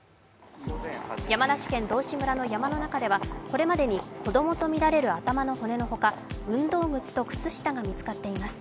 山梨県道志村の山の中ではこれまでに子供とみられる頭の骨のほか、運動靴と靴下が見つかっています。